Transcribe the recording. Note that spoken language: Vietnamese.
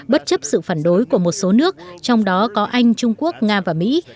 bất chấp sự phản đối của một số nước trong đó có anh trung quốc nga và mỹ